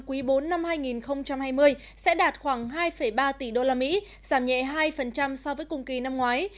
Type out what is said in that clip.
quý bốn năm hai nghìn hai mươi sẽ đạt khoảng hai ba tỷ đô la mỹ giảm nhẹ hai so với cùng kỳ năm ngoái